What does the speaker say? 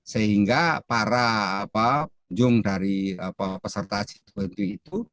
sehingga para penjum dari peserta g dua puluh itu